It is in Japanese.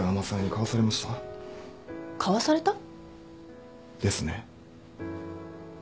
買わされた？ですね？